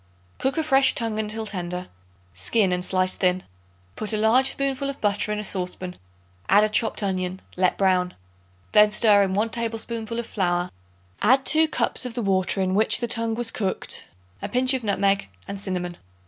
Cook a fresh tongue until tender; skin and slice thin. Put a large spoonful of butter in a saucepan; add a chopped onion; let brown. Then stir in 1 tablespoonful of flour; add 2 cups of the water in which the tongue was cooked, a pinch of nutmeg and cinnamon.